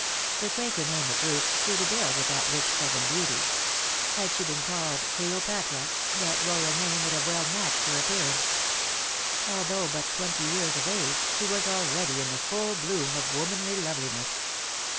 The Quaker name of Ruth suited ill with that rich southern beauty. Had she been called Cleopatra, that Royal name would well have matched her appearance. Although but twenty years of age she was already in the full bloom of womanly loveliness.